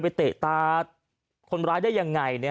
เตะตาคนร้ายได้ยังไง